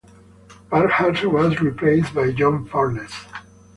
Parkhurst was replaced by John Furness.